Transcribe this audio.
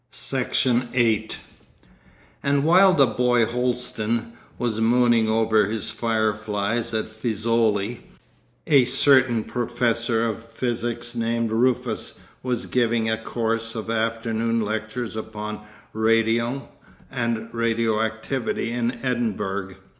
Section 8 And while the boy Holsten was mooning over his fireflies at Fiesole, a certain professor of physics named Rufus was giving a course of afternoon lectures upon Radium and Radio Activity in Edinburgh.